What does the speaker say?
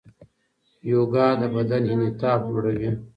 یوګا د بدن انعطاف لوړوي.